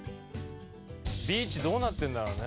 ビーチどうなってるんだろうね？